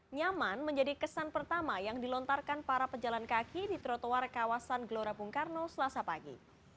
nyaman menjadi kesan pertama yang dilontarkan para pejalan kaki di trotoar kawasan gelora bung karno selasa pagi